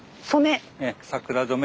染め。